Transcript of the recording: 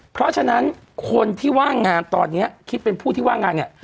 เพราะฉะนั้นคนที่ว่างงานตอนนี้คิดเป็นผู้ที่ว่างงานเนี่ย